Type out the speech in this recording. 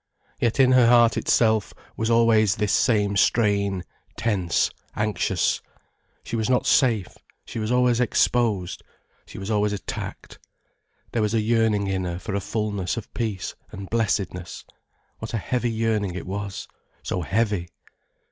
Yet in her heart itself was always this same strain, tense, anxious. She was not safe, she was always exposed, she was always attacked. There was a yearning in her for a fulness of peace and blessedness. What a heavy yearning it was—so heavy.